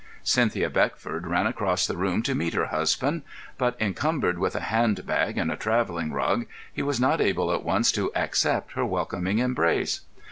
Cynthia Beckford ran across the room to meet her husband; but, encumbered with a hand bag and a travelling rug, he was not able at once to accept her welcoming embrace.